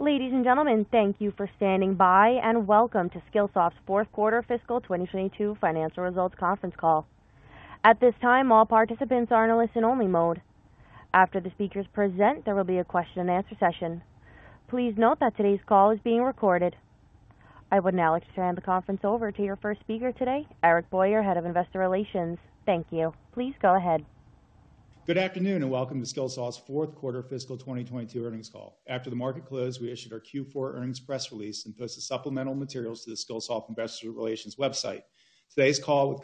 Ladies and gentlemen, thank you for standing by, and welcome to Skillsoft's fourth quarter fiscal 2022 financial results conference call. At this time, all participants are in a listen-only mode. After the speakers present, there will be a question-and-answer session. Please note that today's call is being recorded. I would now like to turn the conference over to your first speaker today, Eric Boyer, Head of Investor Relations. Thank you. Please go ahead. Good afternoon, and welcome to Skillsoft's fourth quarter fiscal 2022 earnings call. After the market closed, we issued our Q4 earnings press release and posted supplemental materials to the Skillsoft Investor Relations website. Today's call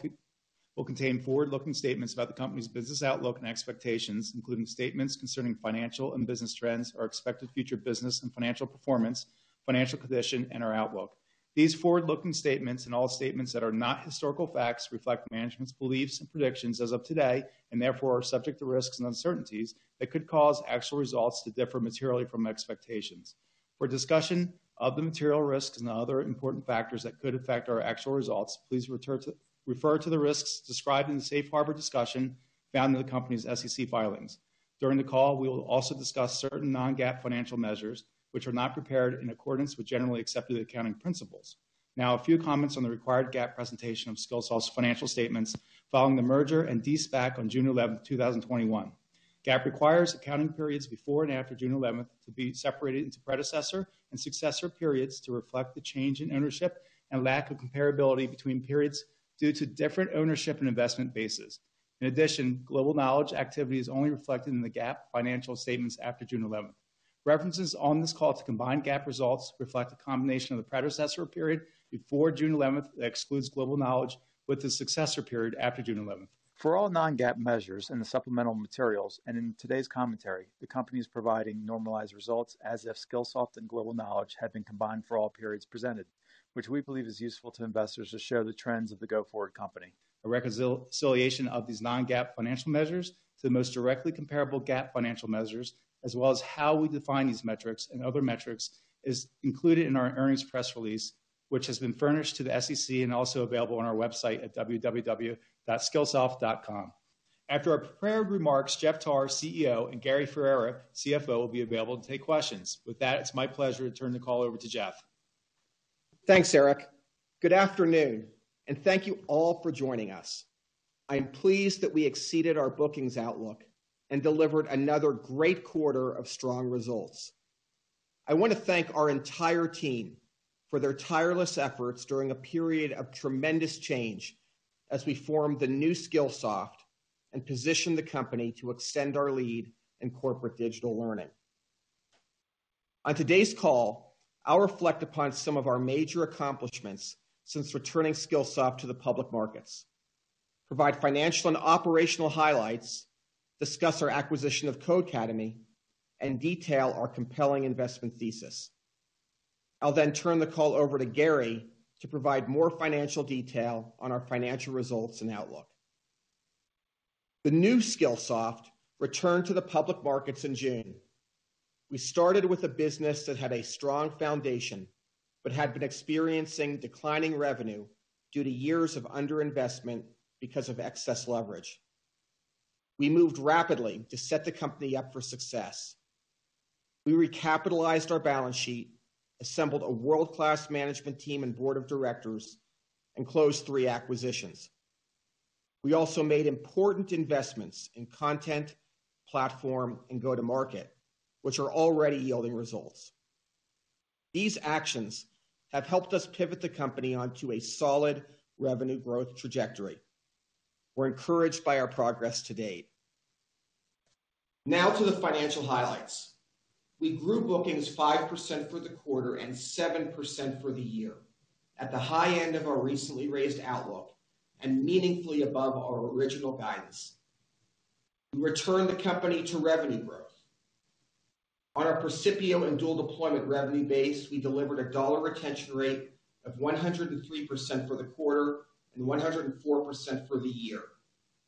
will contain forward-looking statements about the company's business outlook and expectations, including statements concerning financial and business trends, our expected future business and financial performance, financial position, and our outlook. These forward-looking statements, and all statements that are not historical facts, reflect management's beliefs and predictions as of today and therefore are subject to risks and uncertainties that could cause actual results to differ materially from expectations. For a discussion of the material risks and other important factors that could affect our actual results, please refer to the risks described in the safe harbor discussion found in the company's SEC filings. During the call, we will also discuss certain non-GAAP financial measures, which are not prepared in accordance with generally accepted accounting principles. Now, a few comments on the required GAAP presentation of Skillsoft's financial statements following the merger and de-SPAC on June eleventh, two thousand twenty-one. GAAP requires accounting periods before and after June 11th to be separated into predecessor and successor periods to reflect the change in ownership and lack of comparability between periods due to different ownership and investment bases. In addition, Global Knowledge activity is only reflected in the GAAP financial statements after June 11th. References on this call to combined GAAP results reflect a combination of the predecessor period before June 11th that excludes Global Knowledge with the successor period after June 11th. For all non-GAAP measures in the supplemental materials and in today's commentary, the company is providing normalized results as if Skillsoft and Global Knowledge had been combined for all periods presented, which we believe is useful to investors to show the trends of the go-forward company. A reconciliation of these non-GAAP financial measures to the most directly comparable GAAP financial measures as well as how we define these metrics and other metrics is included in our earnings press release, which has been furnished to the SEC and also available on our website at www.skillsoft.com. After our prepared remarks, Jeff Tarr, CEO, and Gary Ferrera, CFO, will be available to take questions. With that, it's my pleasure to turn the call over to Jeff. Thanks, Eric. Good afternoon, and thank you all for joining us. I'm pleased that we exceeded our bookings outlook and delivered another great quarter of strong results. I want to thank our entire team for their tireless efforts during a period of tremendous change as we form the new Skillsoft and position the company to extend our lead in corporate digital learning. On today's call, I'll reflect upon some of our major accomplishments since returning Skillsoft to the public markets, provide financial and operational highlights, discuss our acquisition of Codecademy, and detail our compelling investment thesis. I'll then turn the call over to Gary to provide more financial detail on our financial results and outlook. The new Skillsoft returned to the public markets in June. We started with a business that had a strong foundation but had been experiencing declining revenue due to years of underinvestment because of excess leverage. We moved rapidly to set the company up for success. We recapitalized our balance sheet, assembled a world-class management team and board of directors, and closed three acquisitions. We also made important investments in content, platform, and go-to-market, which are already yielding results. These actions have helped us pivot the company onto a solid revenue growth trajectory. We're encouraged by our progress to date. Now to the financial highlights. We grew bookings 5% for the quarter and 7% for the year, at the high end of our recently raised outlook and meaningfully above our original guidance. We returned the company to revenue growth. On our Percipio and dual deployment revenue base, we delivered a dollar retention rate of 103% for the quarter and 104% for the year,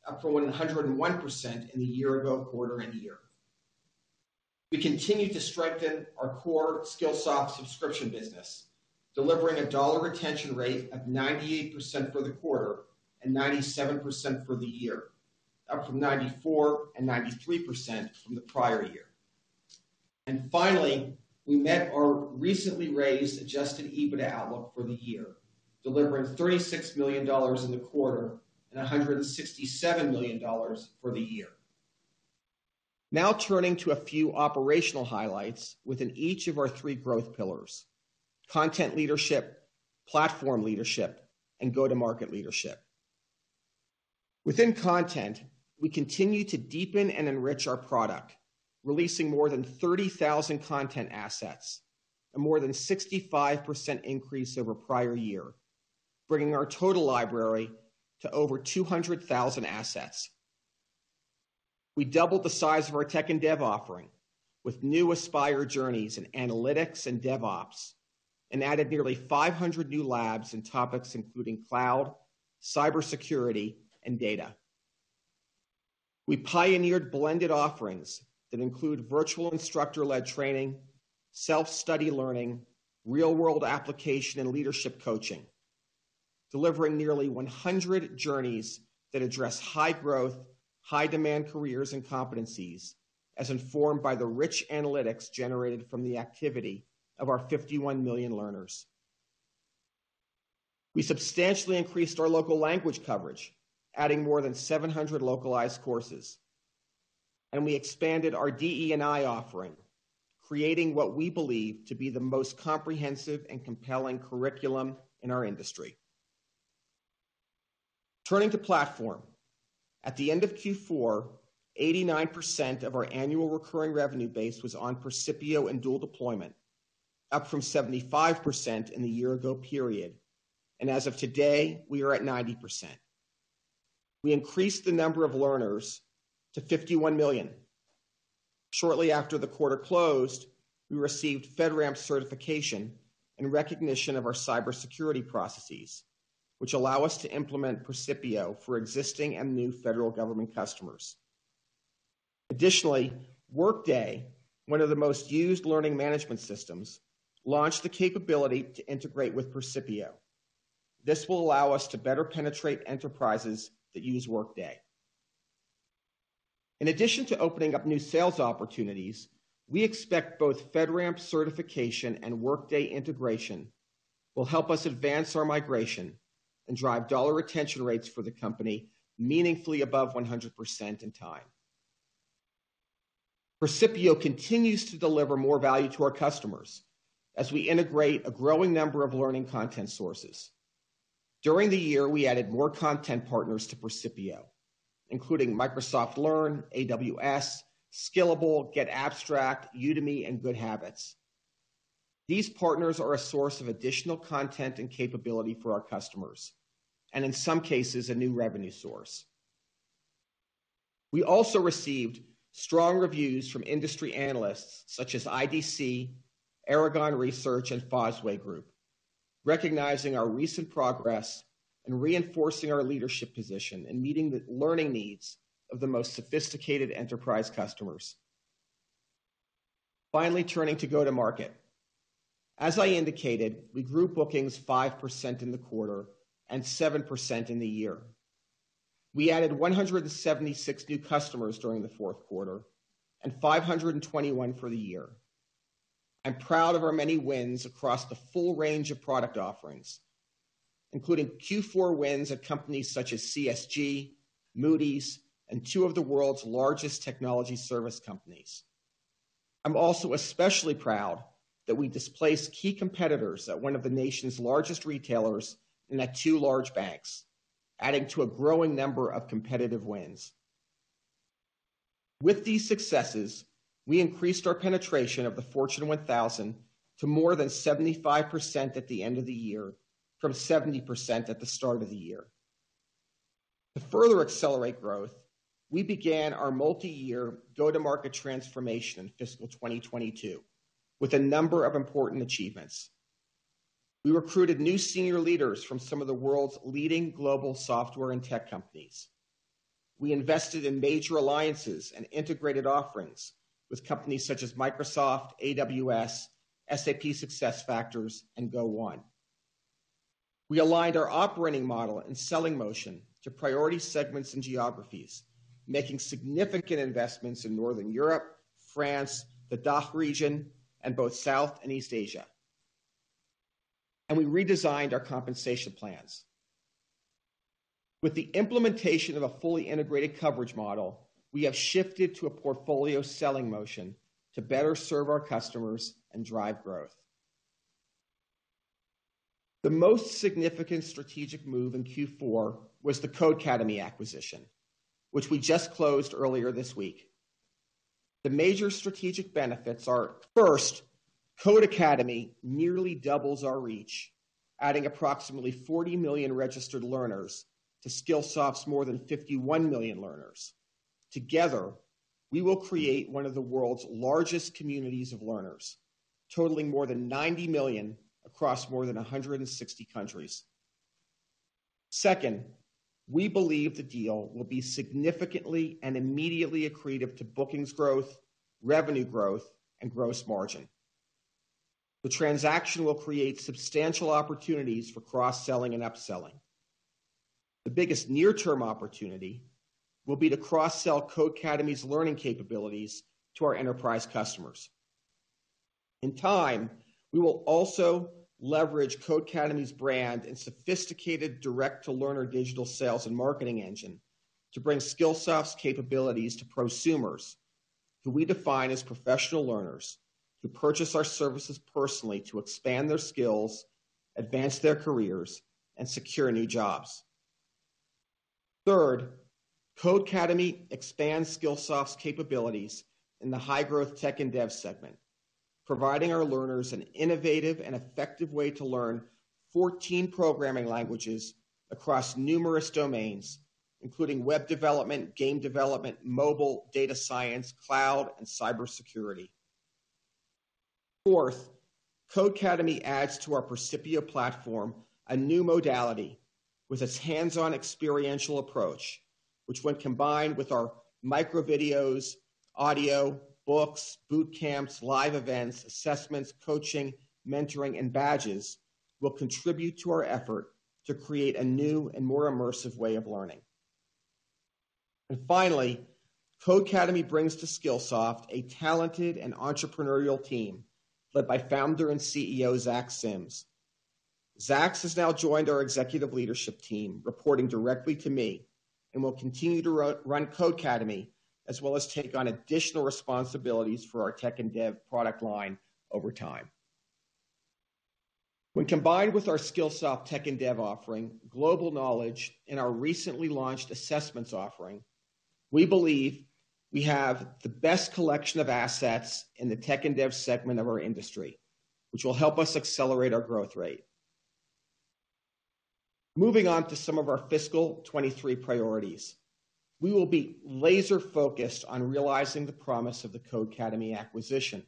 up from 101% in the year-ago quarter and year. We continued to strengthen our core Skillsoft subscription business, delivering a dollar retention rate of 98% for the quarter and 97% for the year, up from 94% and 93% from the prior year. Finally, we met our recently raised adjusted EBITDA outlook for the year, delivering $36 million in the quarter and $167 million for the year. Now turning to a few operational highlights within each of our three growth pillars, content leadership, platform leadership, and go-to-market leadership. Within content, we continue to deepen and enrich our product, releasing more than 30,000 content assets, a more than 65% increase over prior year, bringing our total library to over 200,000 assets. We doubled the size of our tech and dev offering with new Aspire journeys in analytics and DevOps and added nearly 500 new labs and topics including cloud, cybersecurity, and data. We pioneered blended offerings that include virtual instructor-led training, self-study learning, real-world application, and leadership coaching. Delivering nearly 100 journeys that address high growth, high demand careers and competencies as informed by the rich analytics generated from the activity of our 51 million learners. We substantially increased our local language coverage, adding more than 700 localized courses, and we expanded our DE&I offering, creating what we believe to be the most comprehensive and compelling curriculum in our industry. Turning to platform. At the end of Q4, 89% of our annual recurring revenue base was on Percipio and dual deployment, up from 75% in the year ago period. As of today, we are at 90%. We increased the number of learners to 51 million. Shortly after the quarter closed, we received FedRAMP certification in recognition of our cybersecurity processes, which allow us to implement Percipio for existing and new federal government customers. Additionally, Workday, one of the most used learning management systems, launched the capability to integrate with Percipio. This will allow us to better penetrate enterprises that use Workday. In addition to opening up new sales opportunities, we expect both FedRAMP certification and Workday integration will help us advance our migration and drive dollar retention rates for the company meaningfully above 100% in time. Percipio continues to deliver more value to our customers as we integrate a growing number of learning content sources. During the year, we added more content partners to Percipio, including Microsoft Learn, AWS, Skillable, getAbstract, Udemy, and GoodHabitz. These partners are a source of additional content and capability for our customers, and in some cases, a new revenue source. We also received strong reviews from industry analysts such as IDC, Aragon Research, and Fosway Group, recognizing our recent progress in reinforcing our leadership position and meeting the learning needs of the most sophisticated enterprise customers. Finally, turning to go-to-market. As I indicated, we grew bookings 5% in the quarter and 7% in the year. We added 176 new customers during the fourth quarter and 521 for the year. I'm proud of our many wins across the full range of product offerings, including Q4 wins at companies such as CSG, Moody's, and two of the world's largest technology service companies. I'm also especially proud that we displaced key competitors at one of the nation's largest retailers and at two large banks, adding to a growing number of competitive wins. With these successes, we increased our penetration of the Fortune 1000 to more than 75% at the end of the year from 70% at the start of the year. To further accelerate growth, we began our multi-year go-to-market transformation in fiscal 2022 with a number of important achievements. We recruited new senior leaders from some of the world's leading global software and tech companies. We invested in major alliances and integrated offerings with companies such as Microsoft, AWS, SAP SuccessFactors, and Go1. We aligned our operating model and selling motion to priority segments and geographies, making significant investments in Northern Europe, France, the DACH region, and both South and East Asia. We redesigned our compensation plans. With the implementation of a fully integrated coverage model, we have shifted to a portfolio selling motion to better serve our customers and drive growth. The most significant strategic move in Q4 was the Codecademy acquisition, which we just closed earlier this week. The major strategic benefits are, first, Codecademy nearly doubles our reach, adding approximately 40 million registered learners to Skillsoft's more than 51 million learners. Together, we will create one of the world's largest communities of learners, totaling more than 90 million across more than 160 countries. Second, we believe the deal will be significantly and immediately accretive to bookings growth, revenue growth, and gross margin. The transaction will create substantial opportunities for cross-selling and upselling. The biggest near-term opportunity will be to cross-sell Codecademy's learning capabilities to our enterprise customers. In time, we will also leverage Codecademy's brand and sophisticated direct-to-learner digital sales and marketing engine to bring Skillsoft's capabilities to prosumers, who we define as professional learners who purchase our services personally to expand their skills, advance their careers, and secure new jobs. Third, Codecademy expands Skillsoft's capabilities in the high-growth tech and dev segment, providing our learners an innovative and effective way to learn 14 programming languages across numerous domains, including web development, game development, mobile, data science, cloud, and cybersecurity. Fourth, Codecademy adds to our Percipio platform a new modality with its hands-on experiential approach, which when combined with our micro videos, audio, books, boot camps, live events, assessments, coaching, mentoring, and badges will contribute to our effort to create a new and more immersive way of learning. Finally, Codecademy brings to Skillsoft a talented and entrepreneurial team led by founder and CEO Zach Sims. Zach has now joined our executive leadership team, reporting directly to me, and will continue to run Codecademy as well as take on additional responsibilities for our tech and dev product line over time. When combined with our Skillsoft tech and dev offering, Global Knowledge, and our recently launched assessments offering, we believe we have the best collection of assets in the tech and dev segment of our industry, which will help us accelerate our growth rate. Moving on to some of our fiscal 2023 priorities. We will be laser-focused on realizing the promise of the Codecademy acquisition.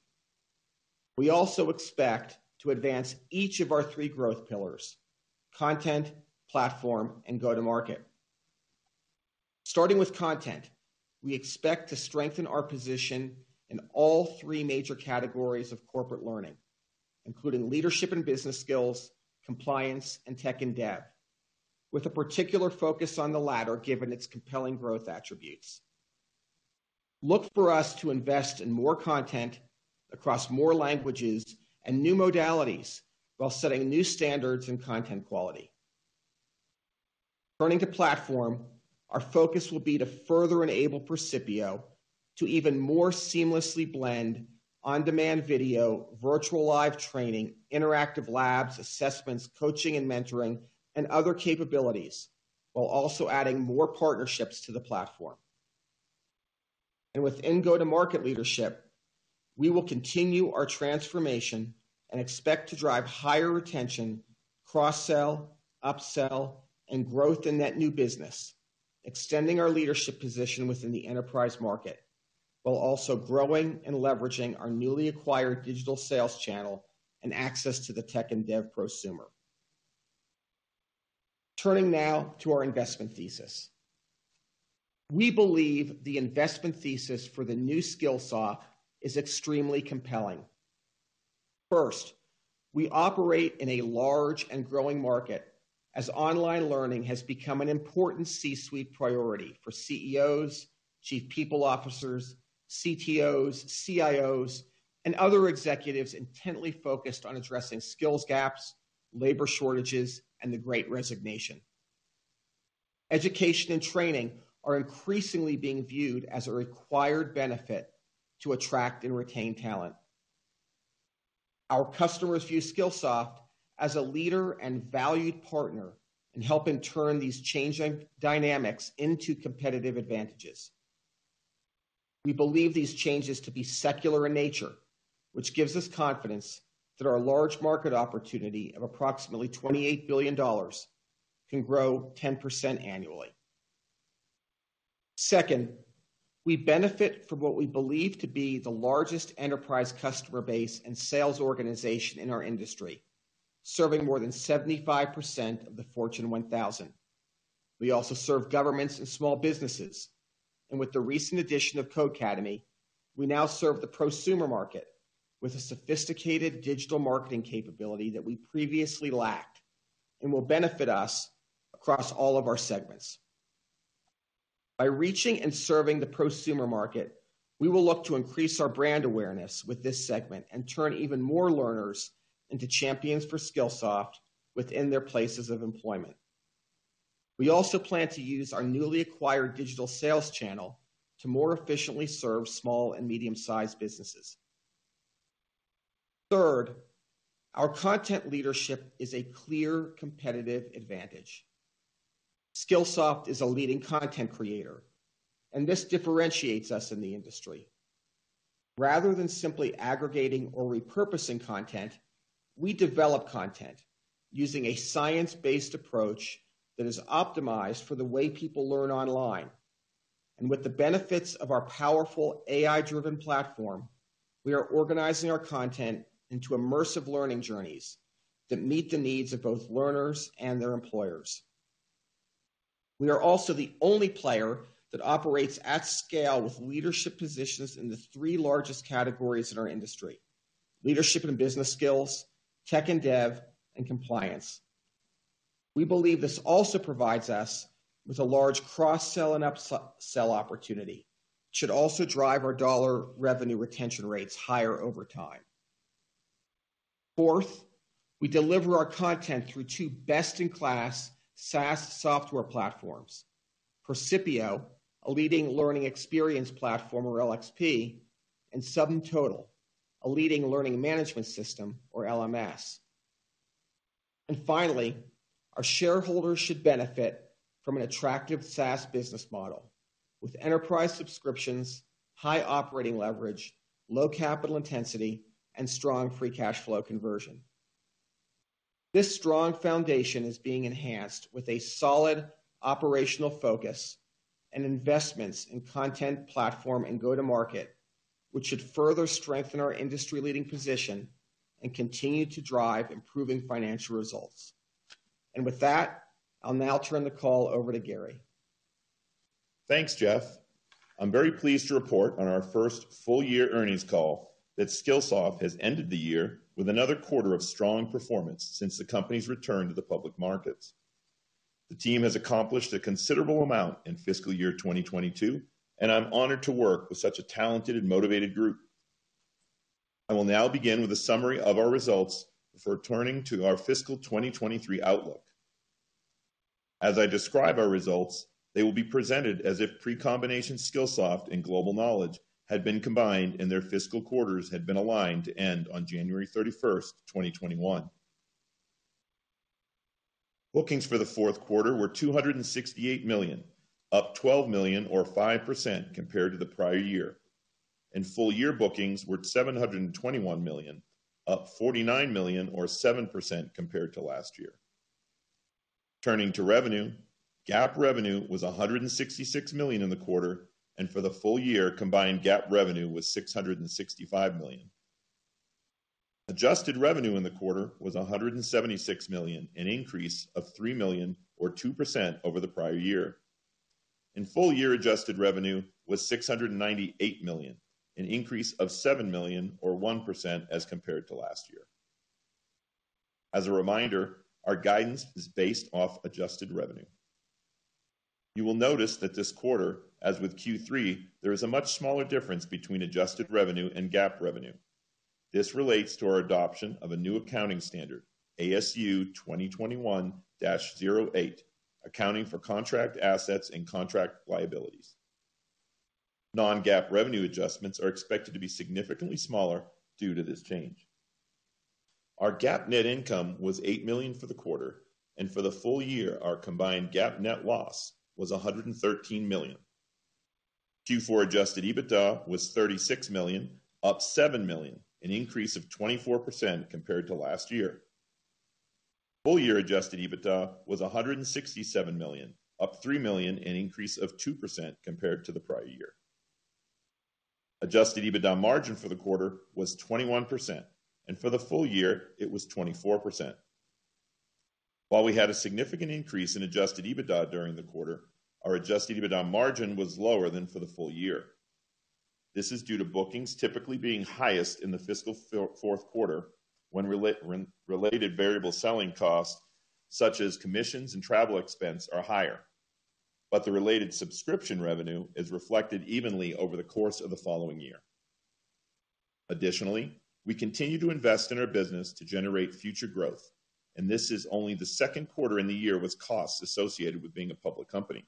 We also expect to advance each of our three growth pillars, content, platform, and go-to-market. Starting with content, we expect to strengthen our position in all three major categories of corporate learning, including leadership and business skills, compliance, and tech and dev. With a particular focus on the latter, given its compelling growth attributes. Look for us to invest in more content across more languages and new modalities while setting new standards in content quality. Turning to platform, our focus will be to further enable Percipio to even more seamlessly blend on-demand video, virtual live training, interactive labs, assessments, coaching and mentoring, and other capabilities, while also adding more partnerships to the platform. Within go-to-market leadership, we will continue our transformation and expect to drive higher retention, cross-sell, up-sell, and growth in that new business, extending our leadership position within the enterprise market while also growing and leveraging our newly acquired digital sales channel and access to the tech and dev prosumer. Turning now to our investment thesis. We believe the investment thesis for the new Skillsoft is extremely compelling. First, we operate in a large and growing market as online learning has become an important C-suite priority for CEOs, chief people officers, CTOs, CIOs, and other executives intently focused on addressing skills gaps, labor shortages, and the great resignation. Education and training are increasingly being viewed as a required benefit to attract and retain talent. Our customers view Skillsoft as a leader and valued partner in helping turn these changing dynamics into competitive advantages. We believe these changes to be secular in nature, which gives us confidence that our large market opportunity of approximately $28 billion can grow 10% annually. Second, we benefit from what we believe to be the largest enterprise customer base and sales organization in our industry, serving more than 75% of the Fortune 1000. We also serve governments and small businesses. With the recent addition of Codecademy, we now serve the prosumer market with a sophisticated digital marketing capability that we previously lacked and will benefit us across all of our segments. By reaching and serving the prosumer market, we will look to increase our brand awareness with this segment and turn even more learners into champions for Skillsoft within their places of employment. We also plan to use our newly acquired digital sales channel to more efficiently serve small and medium-sized businesses. Third, our content leadership is a clear competitive advantage. Skillsoft is a leading content creator, and this differentiates us in the industry. Rather than simply aggregating or repurposing content, we develop content using a science-based approach that is optimized for the way people learn online. With the benefits of our powerful AI-driven platform, we are organizing our content into immersive learning journeys that meet the needs of both learners and their employers. We are also the only player that operates at scale with leadership positions in the three largest categories in our industry: leadership and business skills, tech and dev, and compliance. We believe this also provides us with a large cross-sell and upsell opportunity that should also drive our dollar revenue retention rates higher over time. Fourth, we deliver our content through two best-in-class SaaS software platforms, Percipio, a leading learning experience platform or LXP, and SumTotal, a leading learning management system or LMS. Finally, our shareholders should benefit from an attractive SaaS business model with enterprise subscriptions, high operating leverage, low capital intensity, and strong free cash flow conversion. This strong foundation is being enhanced with a solid operational focus and investments in content platform and go-to-market, which should further strengthen our industry-leading position and continue to drive improving financial results. With that, I'll now turn the call over to Gary. Thanks, Jeff. I'm very pleased to report on our first full-year earnings call that Skillsoft has ended the year with another quarter of strong performance since the company's return to the public markets. The team has accomplished a considerable amount in fiscal year 2022, and I'm honored to work with such a talented and motivated group. I will now begin with a summary of our results before turning to our fiscal 2023 outlook. As I describe our results, they will be presented as if pre-combination Skillsoft and Global Knowledge had been combined and their fiscal quarters had been aligned to end on January 31st, 2021. Bookings for the fourth quarter were $268 million, up $12 million or 5% compared to the prior year. Full-year bookings were $721 million, up $49 million or 7% compared to last year. Turning to revenue. GAAP revenue was $166 million in the quarter, and for the full-year, combined GAAP revenue was $665 million. Adjusted revenue in the quarter was $176 million, an increase of $3 million or 2% over the prior year. In full-year, adjusted revenue was $698 million, an increase of $7 million or 1% as compared to last year. As a reminder, our guidance is based off adjusted revenue. You will notice that this quarter, as with Q3, there is a much smaller difference between adjusted revenue and GAAP revenue. This relates to our adoption of a new accounting standard, ASU 2021-08, Accounting for Contract Assets and Contract Liabilities. Non-GAAP revenue adjustments are expected to be significantly smaller due to this change. Our GAAP net income was $8 million for the quarter, and for the full-year, our combined GAAP net loss was $113 million. Q4 adjusted EBITDA was $36 million, up $7 million, an increase of 24% compared to last year. Full-year adjusted EBITDA was $167 million, up $3 million, an increase of 2% compared to the prior year. Adjusted EBITDA margin for the quarter was 21%, and for the full-year it was 24%. While we had a significant increase in adjusted EBITDA during the quarter, our adjusted EBITDA margin was lower than for the full-year. This is due to bookings typically being highest in the fiscal fourth quarter when related variable selling costs such as commissions and travel expense are higher. The related subscription revenue is reflected evenly over the course of the following year. Additionally, we continue to invest in our business to generate future growth, and this is only the second quarter in the year with costs associated with being a public company.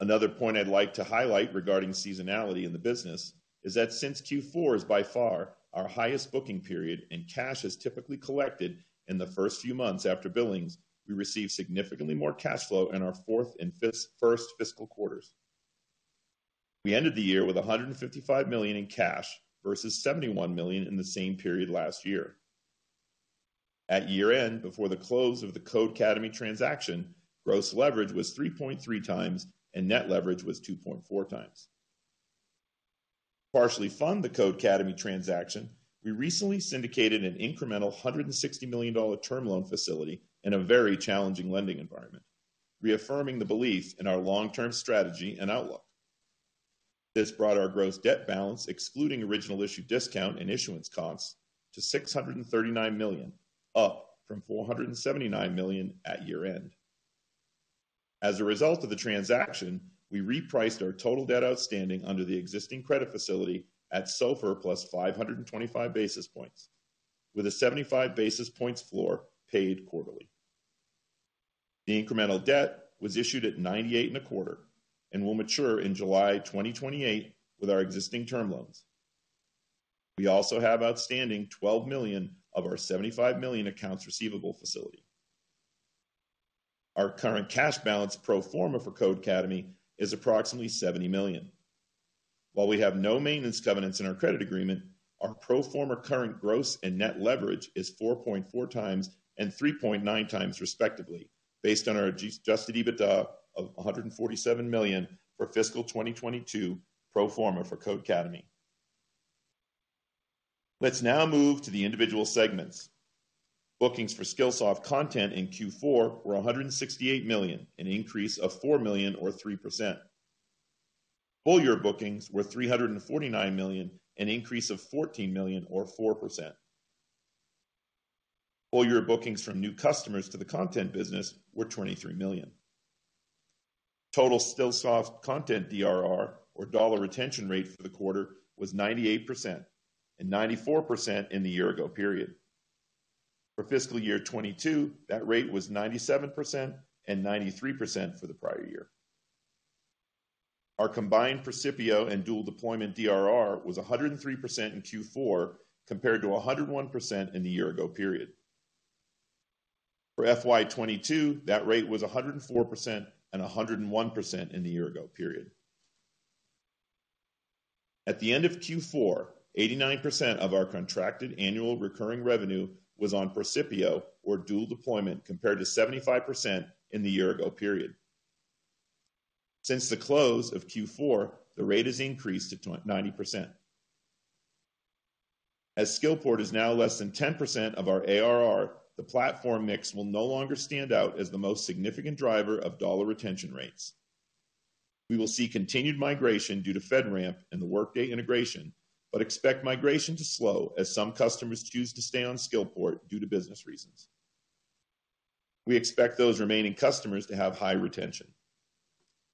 Another point I'd like to highlight regarding seasonality in the business is that since Q4 is by far our highest booking period and cash is typically collected in the first few months after billings, we receive significantly more cash flow in our first fiscal quarters. We ended the year with $155 million in cash versus $71 million in the same period last year. At year-end, before the close of the Codecademy transaction, gross leverage was 3.3x and net leverage was 2.4x. partially fund the Codecademy transaction, we recently syndicated an incremental $160 million term loan facility in a very challenging lending environment, reaffirming the belief in our long-term strategy and outlook. This brought our gross debt balance, excluding original issue discount and issuance costs, to $639 million, up from $479 million at year-end. As a result of the transaction, we repriced our total debt outstanding under the existing credit facility at SOFR plus 525 basis points with a 75 basis points floor paid quarterly. The incremental debt was issued at 98.25 and will mature in July 2028 with our existing term loans. We also have outstanding $12 million of our $75 million accounts receivable facility. Our current cash balance pro forma for Codecademy is approximately $70 million. While we have no maintenance covenants in our credit agreement, our pro forma current gross and net leverage is 4.4x and 3.9x respectively, based on our adjusted EBITDA of $147 million for fiscal 2022 pro forma for Codecademy. Let's now move to the individual segments. Bookings for Skillsoft Content in Q4 were $168 million, an increase of $4 million or 3%. Full-year bookings were $349 million, an increase of $14 million or 4%. Full-year bookings from new customers to the content business were $23 million. Total Skillsoft Content DRR or dollar retention rate for the quarter was 98% and 94% in the year ago period. For fiscal year 2022, that rate was 97% and 93% for the prior year. Our combined Percipio and dual deployment DRR was 103% in Q4 compared to 101% in the year ago period. For FY 2022, that rate was 104% and 101% in the year ago period. At the end of Q4, 89% of our contracted annual recurring revenue was on Percipio or dual deployment compared to 75% in the year ago period. Since the close of Q4, the rate has increased to 90%. As Skillport is now less than 10% of our ARR, the platform mix will no longer stand out as the most significant driver of dollar retention rates. We will see continued migration due to FedRAMP and the Workday integration, but expect migration to slow as some customers choose to stay on Skillport due to business reasons. We expect those remaining customers to have high retention.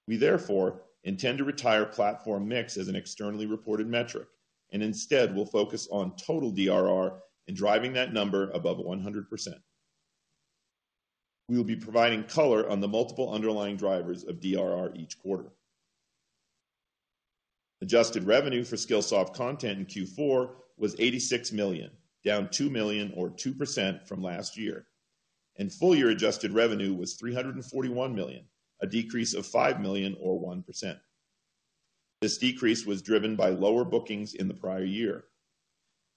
We therefore intend to retire platform mix as an externally reported metric, and instead will focus on total DRR and driving that number above 100%. We will be providing color on the multiple underlying drivers of DRR each quarter. Adjusted revenue for Skillsoft Content in Q4 was $86 million, down $2 million or 2% from last year. Full-year adjusted revenue was $341 million, a decrease of $5 million or 1%. This decrease was driven by lower bookings in the prior year.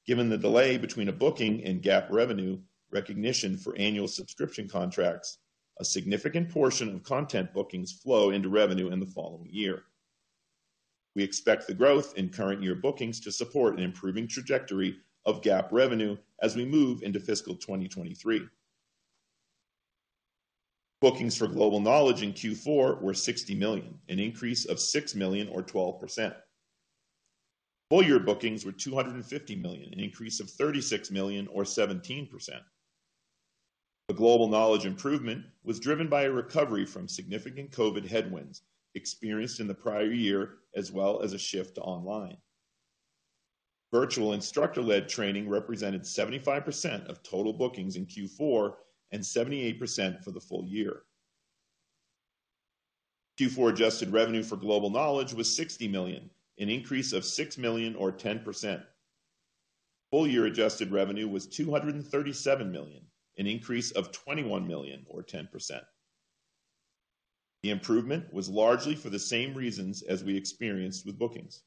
Given the delay between a booking and GAAP revenue recognition for annual subscription contracts, a significant portion of content bookings flow into revenue in the following year. We expect the growth in current year bookings to support an improving trajectory of GAAP revenue as we move into fiscal 2023. Bookings for Global Knowledge in Q4 were $60 million, an increase of $6 million or 12%. Full-year bookings were $250 million, an increase of $36 million or 17%. The Global Knowledge improvement was driven by a recovery from significant COVID headwinds experienced in the prior year, as well as a shift to online. Virtual instructor-led training represented 75% of total bookings in Q4 and 78% for the full-year. Q4 adjusted revenue for Global Knowledge was $60 million, an increase of $6 million or 10%. Full-year adjusted revenue was $237 million, an increase of $21 million or 10%. The improvement was largely for the same reasons as we experienced with bookings.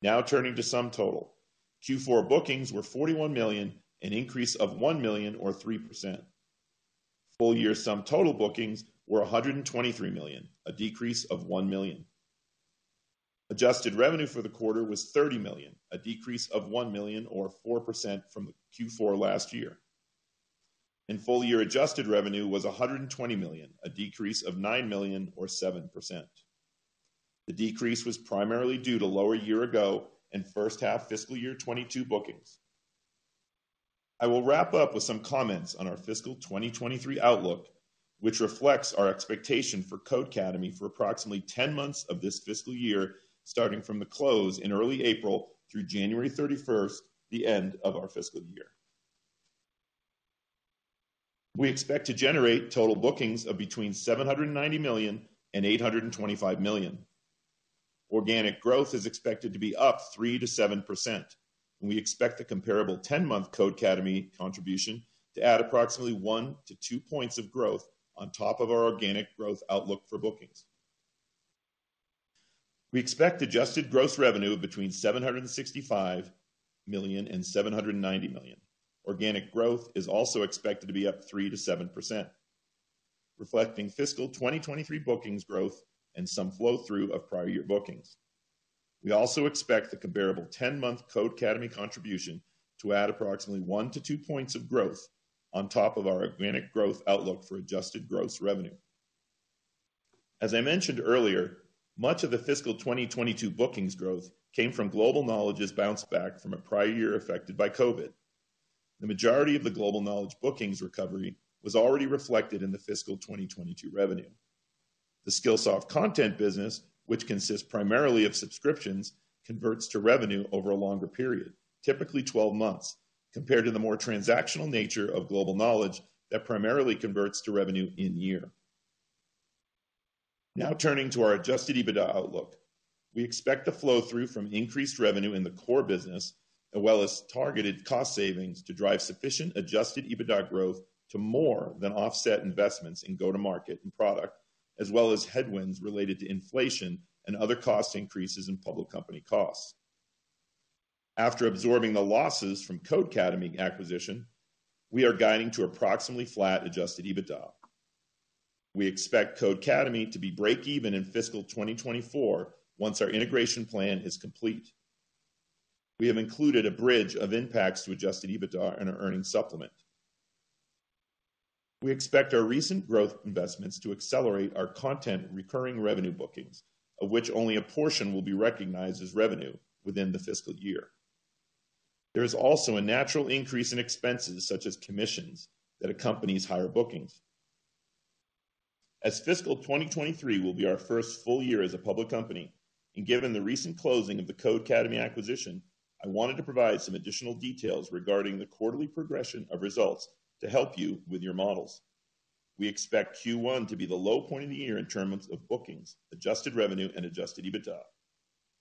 Now turning to SumTotal. Q4 bookings were $41 million, an increase of $1 million or 3%. Full-year SumTotal bookings were $123 million, a decrease of $1 million. Adjusted revenue for the quarter was $30 million, a decrease of $1 million or 4% from Q4 last year. Full-year adjusted revenue was $120 million, a decrease of $9 million or 7%. The decrease was primarily due to lower year-ago and first half fiscal year 2022 bookings. I will wrap up with some comments on our fiscal 2023 outlook, which reflects our expectation for Codecademy for approximately 10 months of this fiscal year, starting from the close in early April through January 31st, the end of our fiscal year. We expect to generate total bookings of between $790 million and $825 million. Organic growth is expected to be up 3%-7%, and we expect the comparable 10-month Codecademy contribution to add approximately 1-2 points of growth on top of our organic growth outlook for bookings. We expect adjusted gross revenue of between $765 million and $790 million. Organic growth is also expected to be up 3% to 7%, reflecting fiscal 2023 bookings growth and some flow through of prior year bookings. We also expect the comparable ten-month Codecademy contribution to add approximately one to two points of growth on top of our organic growth outlook for adjusted gross revenue. As I mentioned earlier, much of the fiscal 2022 bookings growth came from Global Knowledge's bounce back from a prior year affected by COVID. The majority of the Global Knowledge bookings recovery was already reflected in the fiscal 2022 revenue. The Skillsoft Content business, which consists primarily of subscriptions, converts to revenue over a longer period, typically 12 months, compared to the more transactional nature of Global Knowledge that primarily converts to revenue in the year. Now turning to our adjusted EBITDA outlook. We expect the flow through from increased revenue in the core business, as well as targeted cost savings to drive sufficient adjusted EBITDA growth to more than offset investments in go-to-market and product, as well as headwinds related to inflation and other cost increases in public company costs. After absorbing the losses from Codecademy acquisition, we are guiding to approximately flat adjusted EBITDA. We expect Codecademy to be break-even in fiscal 2024, once our integration plan is complete. We have included a bridge of impacts to adjusted EBITDA in our earnings supplement. We expect our recent growth investments to accelerate our content recurring revenue bookings, of which only a portion will be recognized as revenue within the fiscal year. There is also a natural increase in expenses such as commissions that accompanies higher bookings. As fiscal 2023 will be our first full-year as a public company, and given the recent closing of the Codecademy acquisition, I wanted to provide some additional details regarding the quarterly progression of results to help you with your models. We expect Q1 to be the low point of the year in terms of bookings, adjusted revenue and adjusted EBITDA.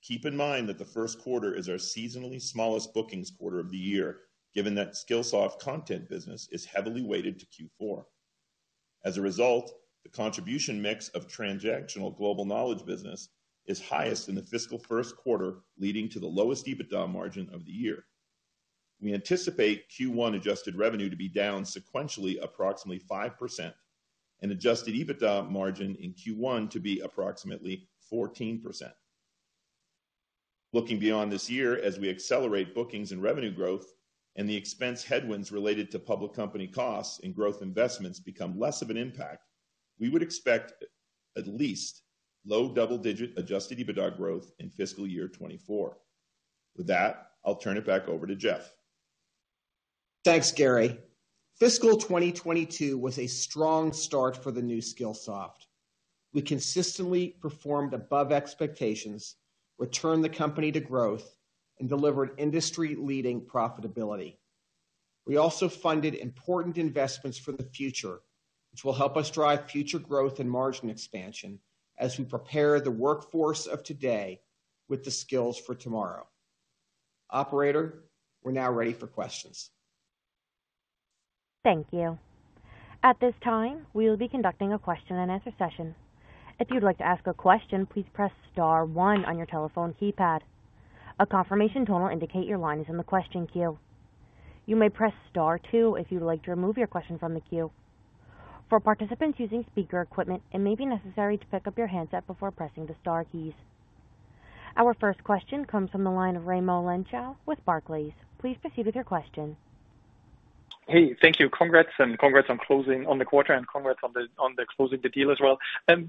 Keep in mind that the first quarter is our seasonally smallest bookings quarter of the year, given that Skillsoft content business is heavily weighted to Q4. As a result, the contribution mix of transactional Global Knowledge business is highest in the fiscal first quarter, leading to the lowest EBITDA margin of the year. We anticipate Q1 adjusted revenue to be down sequentially approximately 5% and adjusted EBITDA margin in Q1 to be approximately 14%. Looking beyond this year, as we accelerate bookings and revenue growth and the expense headwinds related to public company costs and growth investments become less of an impact, we would expect at least low double-digit adjusted EBITDA growth in fiscal year 2024. With that, I'll turn it back over to Jeff. Thanks, Gary. Fiscal 2022 was a strong start for the new Skillsoft. We consistently performed above expectations, returned the company to growth, and delivered industry-leading profitability. We also funded important investments for the future, which will help us drive future growth and margin expansion as we prepare the workforce of today with the skills for tomorrow. Operator, we're now ready for questions. Thank you. At this time, we will be conducting a question-and-answer session. If you'd like to ask a question, please press star one on your telephone keypad. A confirmation tone will indicate your line is in the question queue. You may press star two if you'd like to remove your question from the queue. For participants using speaker equipment, it may be necessary to pick up your handset before pressing the star keys. Our first question comes from the line of Raimo Lenschow with Barclays. Please proceed with your question. Hey, thank you. Congrats, and congrats on closing the quarter, and congrats on closing the deal as well.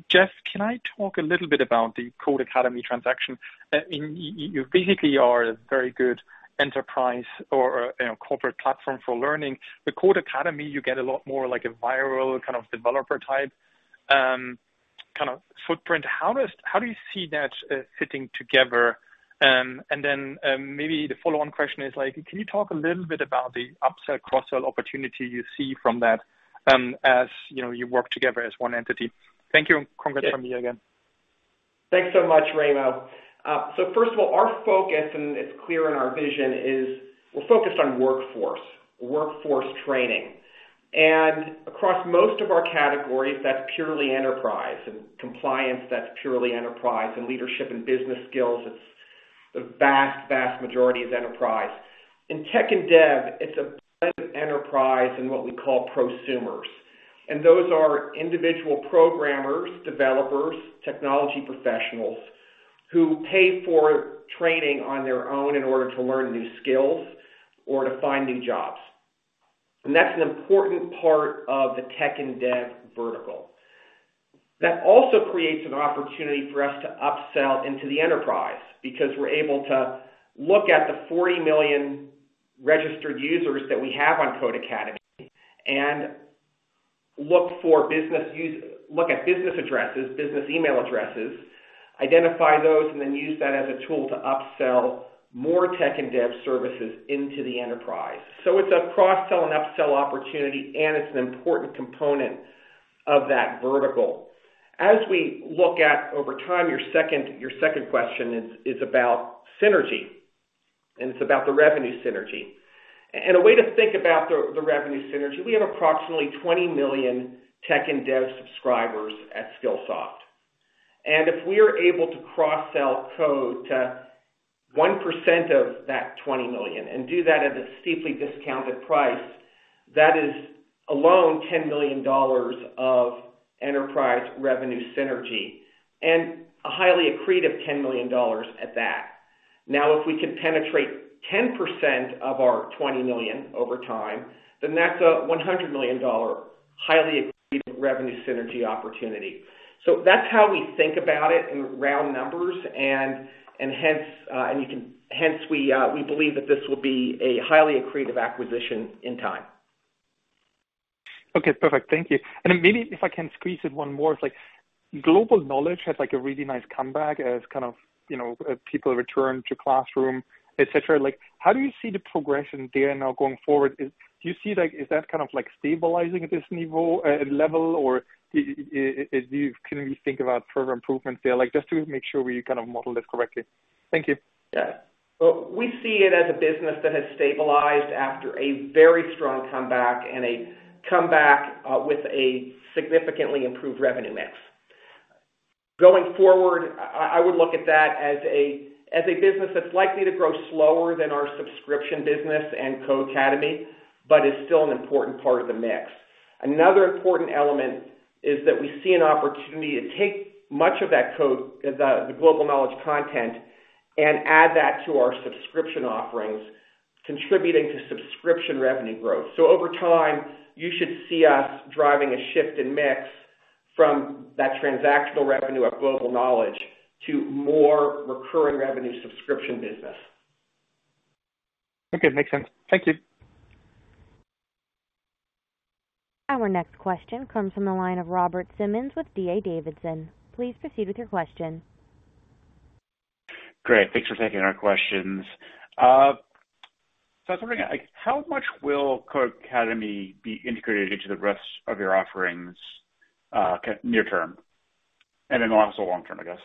Jeff, can I talk a little bit about the Codecademy transaction? I mean, you basically are a very good enterprise or, you know, corporate platform for learning. Codecademy, you get a lot more like a viral kind of developer type kind of footprint. How do you see that fitting together? And then, maybe the follow-on question is, like, can you talk a little bit about the upsell, cross-sell opportunity you see from that, as, you know, you work together as one entity? Thank you, and congrats from me again. Thanks so much, Raimo. First of all, our focus, and it's clear in our vision, is we're focused on workforce training. Across most of our categories, that's purely enterprise. In compliance, that's purely enterprise. In leadership and business skills, it's the vast majority is enterprise. In tech and dev, it's a blend of enterprise and what we call prosumers, and those are individual programmers, developers, technology professionals who pay for training on their own in order to learn new skills or to find new jobs. That's an important part of the tech and dev vertical. That also creates an opportunity for us to upsell into the enterprise because we're able to look at the 40 million registered users that we have on Codecademy and look at business addresses, business email addresses, identify those, and then use that as a tool to upsell more tech and dev services into the enterprise. So it's a cross-sell and upsell opportunity, and it's an important component of that vertical. As we look at over time, your second question is about synergy, and it's about the revenue synergy. A way to think about the revenue synergy, we have approximately 20 million tech and dev subscribers at Skillsoft. If we are able to cross-sell Code to 1% of that $20 million and do that at a steeply discounted price, that is alone $10 million of enterprise revenue synergy, and a highly accretive $10 million at that. Now, if we can penetrate 10% of our 20 million over time, then that's a $100 million highly accretive revenue synergy opportunity. That's how we think about it in round numbers. Hence we believe that this will be a highly accretive acquisition in time. Okay, perfect. Thank you. Then maybe if I can squeeze in one more. It's like Global Knowledge has like a really nice comeback as kind of, you know, people return to classroom, et cetera. Like, how do you see the progression there now going forward? Do you see, like, is that kind of like stabilizing at this level? Or can you think about further improvements there? Like, just to make sure we kind of model this correctly. Thank you. Yeah. Well, we see it as a business that has stabilized after a very strong comeback with a significantly improved revenue mix. Going forward, I would look at that as a business that's likely to grow slower than our subscription business and Codecademy, but is still an important part of the mix. Another important element is that we see an opportunity to take much of that Code and the Global Knowledge content and add that to our subscription offerings, contributing to subscription revenue growth. Over time, you should see us driving a shift in mix from that transactional revenue of Global Knowledge to more recurring revenue subscription business. Okay. Makes sense. Thank you. Our next question comes from the line of Robert Simmons with D.A. Davidson. Please proceed with your question. Great. Thanks for taking our questions. So I was wondering, like, how much will Codecademy be integrated into the rest of your offerings, near term, and then also long-term, I guess?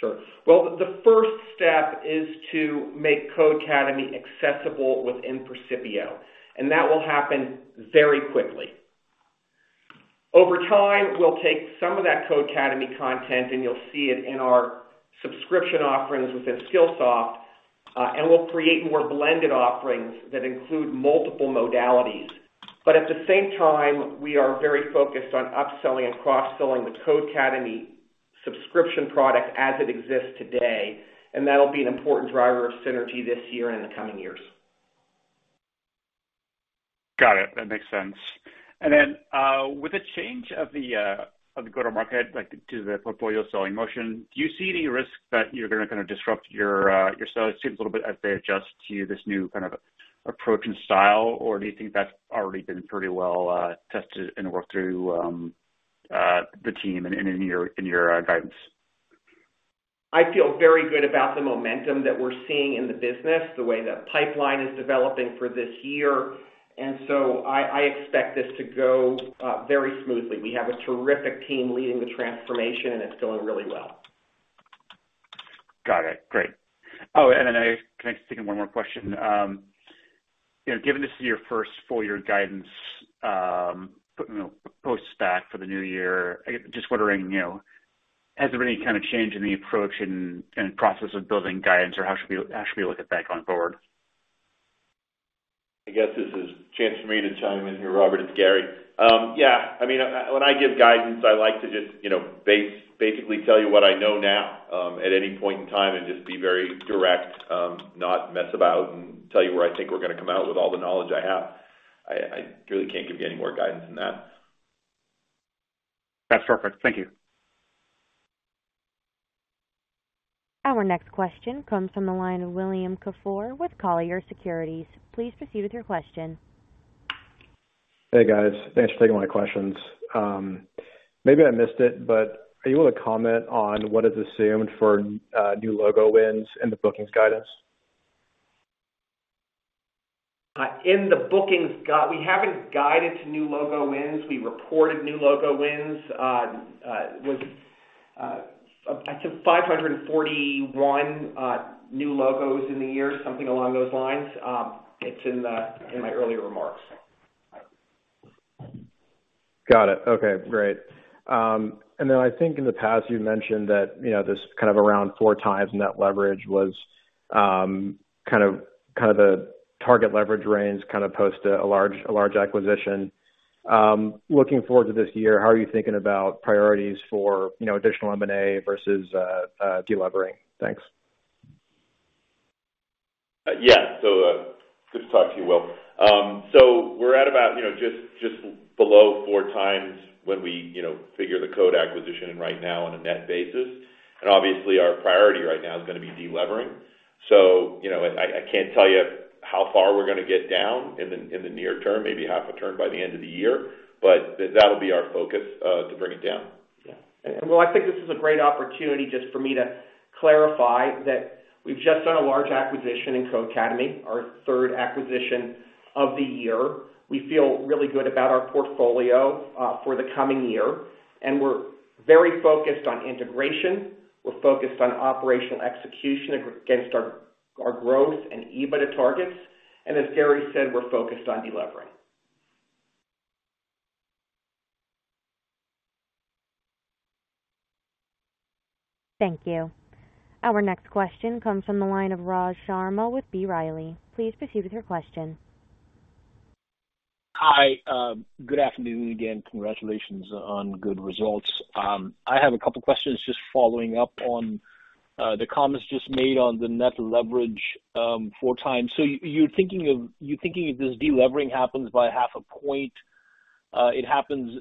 Sure. Well, the first step is to make Codecademy accessible within Percipio, and that will happen very quickly. Over time, we'll take some of that Codecademy content, and you'll see it in our subscription offerings within Skillsoft, and we'll create more blended offerings that include multiple modalities. At the same time, we are very focused on upselling and cross-selling the Codecademy subscription product as it exists today, and that'll be an important driver of synergy this year and in the coming years. Got it. That makes sense. With the change of the go-to-market, like to the portfolio selling motion, do you see any risk that you're gonna disrupt your sales teams a little bit as they adjust to this new kind of approach and style? Or do you think that's already been pretty well tested and worked through the team and in your guidance? I feel very good about the momentum that we're seeing in the business, the way the pipeline is developing for this year. I expect this to go very smoothly. We have a terrific team leading the transformation, and it's going really well. Got it. Great. Oh, can I just take one more question? You know, given this is your first full-year guidance, you know, post-SPAC for the new year, I guess, just wondering, you know, has there been any kind of change in the approach and process of building guidance or how should we look at that going forward? I guess this is a chance for me to chime in here, Robert. It's Gary. Yeah, I mean, when I give guidance, I like to just, you know, basically tell you what I know now, at any point in time and just be very direct, not mess about and tell you where I think we're gonna come out with all the knowledge I have. I really can't give you any more guidance than that. That's perfect. Thank you. Our next question comes from the line of William Kafoure with Colliers Securities. Please proceed with your question. Hey, guys. Thanks for taking my questions. Maybe I missed it, but are you able to comment on what is assumed for, new logo wins in the bookings guidance? In the bookings we haven't guided to new logo wins. We reported new logo wins with I think 541 new logos in the year, something along those lines. It's in my earlier remarks. Got it. Okay, great. I think in the past you mentioned that, you know, this kind of around 4x net leverage was kind of the target leverage range kind of post a large acquisition. Looking forward to this year, how are you thinking about priorities for, you know, additional M&A versus delevering? Thanks. Yeah. Good to talk to you, Will. We're at about, you know, just below 4 times when we, you know, figure the Codecademy acquisition right now on a net basis. Obviously, our priority right now is gonna be delevering. You know, I can't tell you how far we're gonna get down in the near term, maybe half a turn by the end of the year, but that'll be our focus to bring it down. Yeah, Will, I think this is a great opportunity just for me to clarify that we've just done a large acquisition in Codecademy, our third acquisition of the year. We feel really good about our portfolio for the coming year, and we're very focused on integration. We're focused on operational execution against our growth and EBITDA targets. As Gary said, we're focused on delevering. Thank you. Our next question comes from the line of Raj Sharma with B. Riley. Please proceed with your question. Hi. Good afternoon again. Congratulations on good results. I have a couple of questions just following up on the comments just made on the net leverage 4x. You're thinking if this delevering happens by half a point, it happens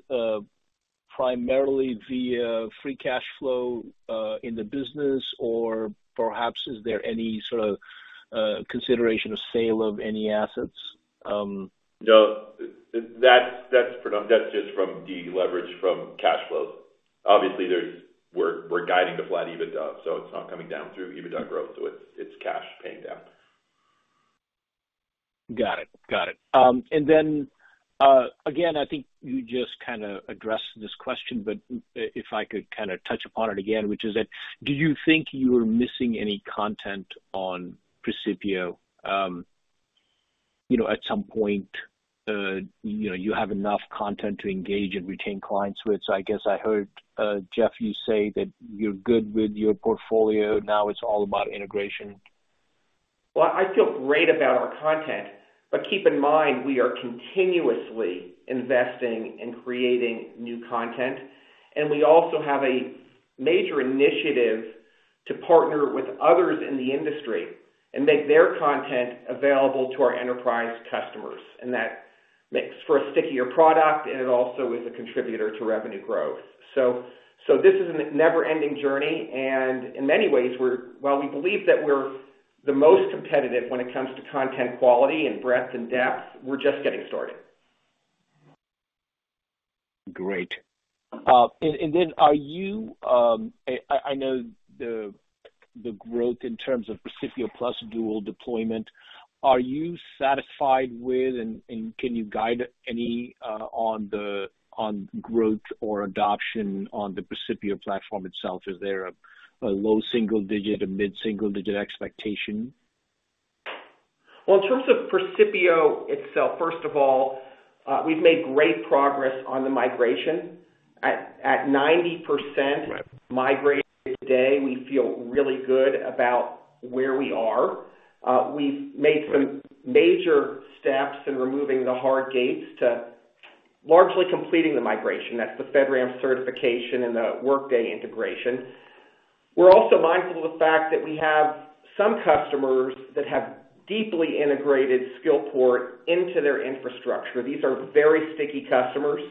primarily via free cash flow in the business, or perhaps is there any sort of consideration of sale of any assets? No, that's just from the leverage from cash flow. Obviously, we're guiding to flat EBITDA, so it's not coming down through EBITDA growth, so it's cash paying down. Got it. I think you just kinda addressed this question, but if I could kinda touch upon it again, which is that do you think you're missing any content on Percipio? You know, at some point, you know, you have enough content to engage and retain clients with. I guess I heard, Jeff, you say that you're good with your portfolio, now it's all about integration. Well, I feel great about our content, but keep in mind, we are continuously investing and creating new content. We also have a major initiative to partner with others in the industry and make their content available to our enterprise customers. That makes for a stickier product, and it also is a contributor to revenue growth. So this is a never-ending journey, and in many ways, while we believe that we're the most competitive when it comes to content quality and breadth and depth, we're just getting started. Great. I know the growth in terms of Percipio Plus dual deployment, are you satisfied with and can you guide any on growth or adoption on the Percipio platform itself? Is there a low-single-digit, a mid-single-digit expectation? Well, in terms of Percipio itself, first of all, we've made great progress on the migration. At 90% migrated today, we feel really good about where we are. We've made some major steps in removing the hard gates to largely completing the migration. That's the FedRAMP certification and the Workday integration. We're also mindful of the fact that we have some customers that have deeply integrated Skillport into their infrastructure. These are very sticky customers,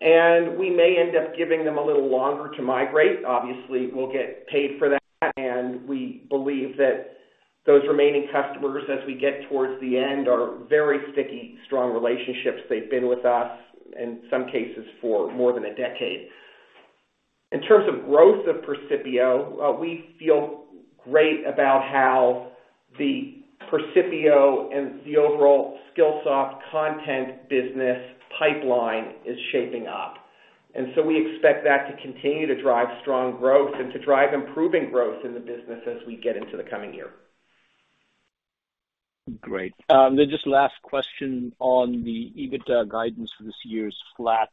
and we may end up giving them a little longer to migrate. Obviously, we'll get paid for that, and we believe that those remaining customers, as we get towards the end, are very sticky, strong relationships. They've been with us, in some cases, for more than a decade. In terms of growth of Percipio, we feel great about how the Percipio and the overall Skillsoft content business pipeline is shaping up. We expect that to continue to drive strong growth and to drive improving growth in the business as we get into the coming year. Great. Just last question on the EBITDA guidance for this year is flat,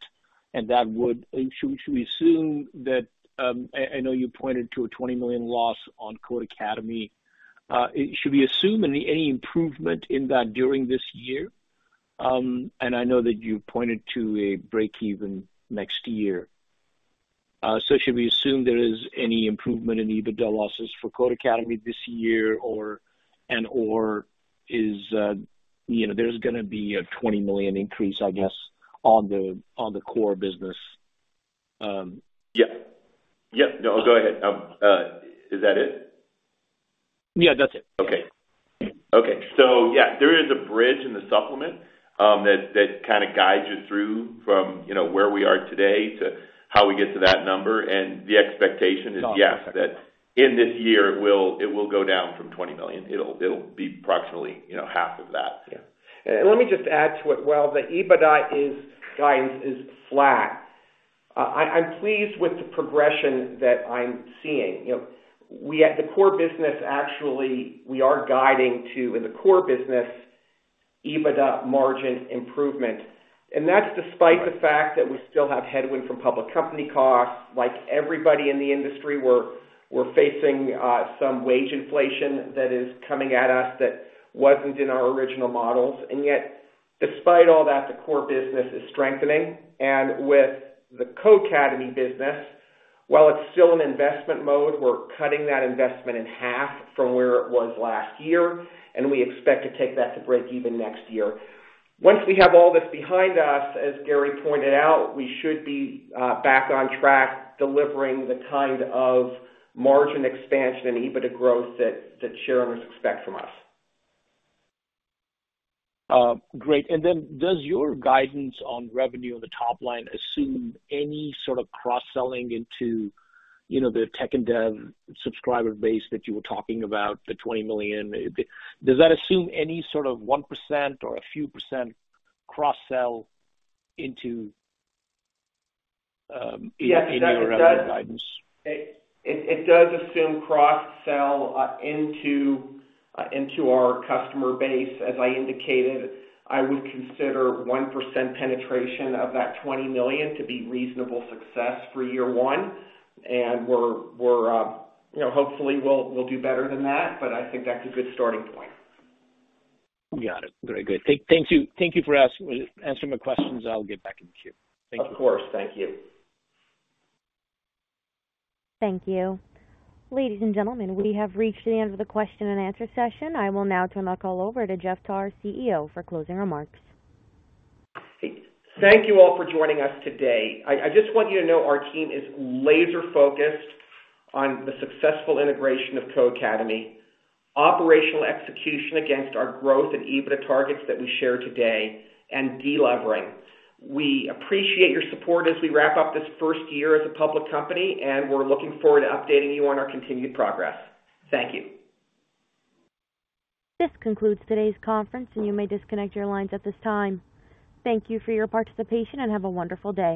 and that would. Should we assume that I know you pointed to a $20 million loss on Codecademy. Should we assume any improvement in that during this year? And I know that you pointed to a break-even next year. Should we assume there is any improvement in EBITDA losses for Codecademy this year or and/or, you know, there's gonna be a $20 million increase, I guess, on the core business. Yeah. No, go ahead. Is that it? Yeah, that's it. Okay. Yeah, there is a bridge in the supplement that kinda guides you through from, you know, where we are today to how we get to that number. The expectation is. Got it. Yes, that in this year, it will go down from $20 million. It'll be approximately, you know, half of that. Yeah. Let me just add to it. While the EBITDA guidance is flat, I'm pleased with the progression that I'm seeing. You know, we at the core business, actually, we are guiding to, in the core business, EBITDA margin improvement. That's despite the fact that we still have headwind from public company costs. Like everybody in the industry, we're facing some wage inflation that is coming at us that wasn't in our original models. Yet, despite all that, the core business is strengthening. With the Codecademy business, while it's still in investment mode, we're cutting that investment in half from where it was last year, and we expect to take that to break even next year. Once we have all this behind us, as Gary pointed out, we should be back on track, delivering the kind of margin expansion and EBITDA growth that shareholders expect from us. Great. Does your guidance on revenue on the top line assume any sort of cross-selling into, you know, the tech and dev subscriber base that you were talking about, the 20 million? Does that assume any sort of 1% or a few % cross-sell into in your revenue guidance? It does assume cross-sell into our customer base. As I indicated, I would consider 1% penetration of that 20 million to be reasonable success for year one. We're, you know, hopefully we'll do better than that, but I think that's a good starting point. Got it. Very good. Thank you. Thank you for answering my questions. I'll get back in the queue. Thank you. Of course. Thank you. Thank you. Ladies and gentlemen, we have reached the end of the question and answer session. I will now turn the call over to Jeff Tarr, CEO, for closing remarks. Thank you all for joining us today. I just want you to know our team is laser-focused on the successful integration of Codecademy, operational execution against our growth and EBITDA targets that we share today, and deleveraging. We appreciate your support as we wrap up this first year as a public company, and we're looking forward to updating you on our continued progress. Thank you. This concludes today's conference, and you may disconnect your lines at this time. Thank you for your participation, and have a wonderful day.